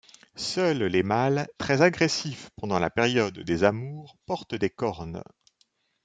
Seuls les mâles, très agressifs pendant la période des amours, portent des cornes.